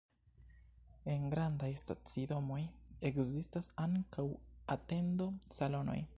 En grandaj stacidomoj ekzistas ankaŭ atendo-salonoj.